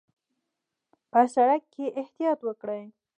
په سړک کې احتیاط وکړئ